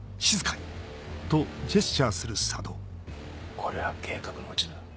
これは計画のうちだ。